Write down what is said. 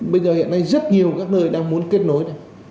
bây giờ hiện nay rất nhiều các nơi đang muốn kết nối